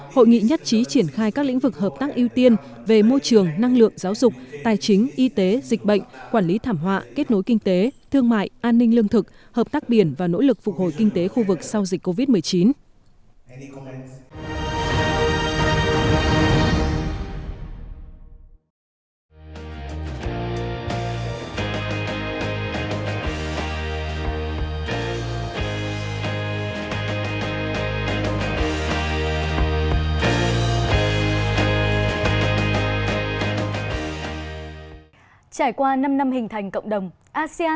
hội nghị nhất trí triển khai các lĩnh vực hợp tác ưu tiên về môi trường năng lượng giáo dục tài chính y tế dịch bệnh quản lý thảm họa kết nối kinh tế thương mại an ninh lương thực hợp tác biển và nỗ lực phục hồi kinh tế khu vực sau dịch covid một mươi chín